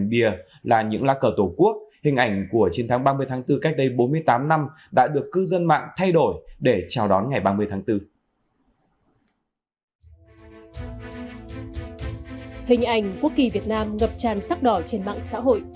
hình ảnh quốc kỳ việt nam ngập tràn sắc đỏ trên mạng xã hội